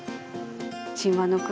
神話の国